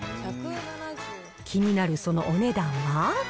気になるそのお値段は？